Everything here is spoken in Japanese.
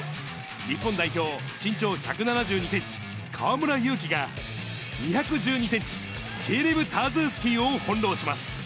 日本代表、身長１７２センチ、河村勇輝が、２１２センチ、ケーレブ・ターズースキーを翻弄します。